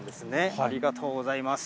ありがとうございます。